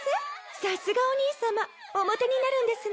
さすがお兄さまおモテになるんですね。